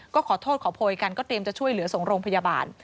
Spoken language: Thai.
ก็ขอโทษขอโพยกันก็เตรียมจะช่วยเหลือส่งโรงพยาบาล